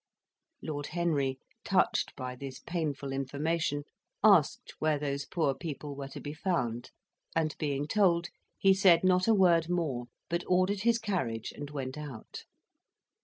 Lord Henry, touched by this painful information, asked where those poor people were to be found, and being told, he said not a word more, but ordered his carriage and went out.